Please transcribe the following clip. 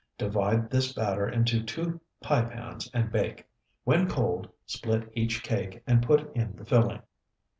Divide this batter into two pie pans and bake. When cold, split each cake and put in the filling.